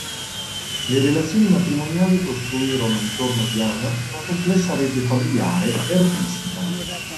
Le relazioni matrimoniali costruirono intorno a Diana una complessa rete familiare e artistica.